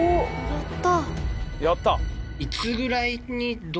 やった！